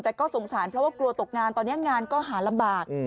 แต่ก็สงสารเพราะว่ากลัวตกงานตอนนี้งานก็หาลำบาก